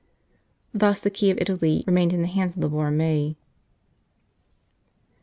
Thus the key of Italy remained in the hands of the Borromei.